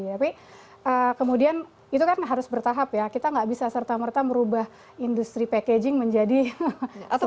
tapi kemudian itu kan harus bertahap ya kita nggak bisa serta merta merubah industri packaging menjadi atau